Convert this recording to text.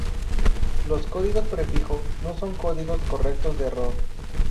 Los códigos prefijo no son códigos correctores de error.